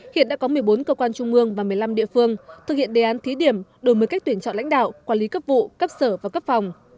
hiện đã có một mươi bốn cơ quan trung mương và một mươi năm địa phương thực hiện đề án thí điểm đổi mới cách tuyển chọn lãnh đạo quản lý cấp vụ cấp sở và cấp phòng